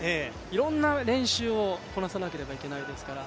いろんな練習をこなさなければいけないですから。